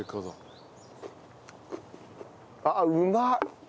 あっうまっ！